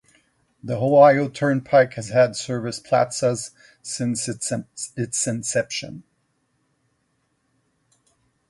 The Ohio Turnpike has had service plazas since its inception.